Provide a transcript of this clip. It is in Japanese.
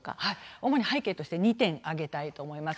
主に背景として２点挙げたいと思います。